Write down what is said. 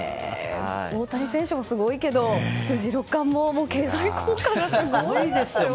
大谷選手もすごいけど藤井六冠も経済効果がすごいですよね。